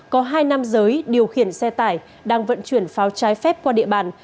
có hai nam giới điều khiển xe tải đang vận chuyển pháo trái phép qua địa bàn